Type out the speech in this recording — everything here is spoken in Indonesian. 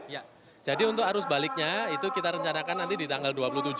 ya jadi untuk arus baliknya itu kita rencanakan nanti di tanggal dua puluh tujuh